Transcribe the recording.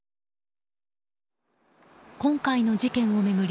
今回の事件を巡り